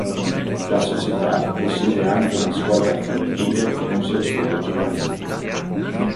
La società possiede anche una squadra femminile e un settore giovanile.